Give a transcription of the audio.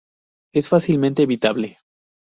Es fácilmente evitable.